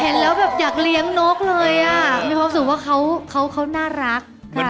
เห็นแล้วแบบอยากเลี้ยงนกเลยอ่ะมีความสุขว่าเขาน่ารัก